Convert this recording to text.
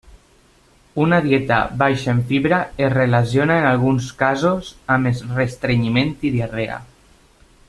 Una dieta baixa en fibra es relaciona en alguns casos amb restrenyiment i diarrea.